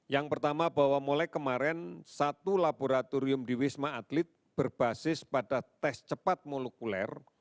yang pertama bahwa mulai kemarin satu laboratorium di wisma atlet berbasis pada tes cepat molekuler